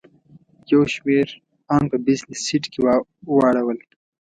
یو شمېر ان په بزنس سیټ کې واړول.